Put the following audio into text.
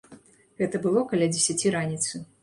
Гэта было каля дзесяці раніцы.